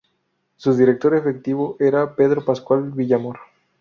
Su director efectivo era Pedro Pascual Villamor.